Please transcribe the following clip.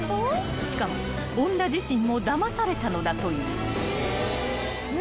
［しかも女自身もだまされたのだという］